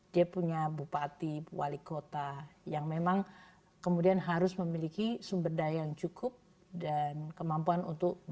dia punya bupati wali kota yang memang kemudian harus memiliki sumber daya yang cukup dan memiliki sumber daya yang cukup